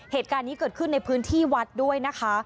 เหตุการณ์นี้เกิดขึ้นในพื้นที่วัดด้วยนะคะ